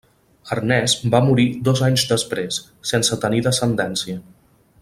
Ernest va morir dos anys després, sense tenir descendència.